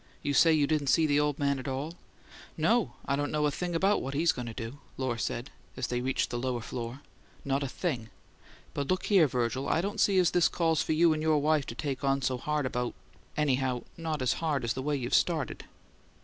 "You say you didn't see the old man at all?" "No, I don't know a thing about what he's going to do," Lohr said, as they reached the lower floor. "Not a thing. But look here, Virgil, I don't see as this calls for you and your wife to take on so hard about anyhow not as hard as the way you've started."